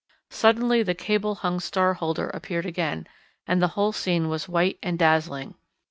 Suddenly the cable hung star holder appeared again, and the whole scene was white and dazzling.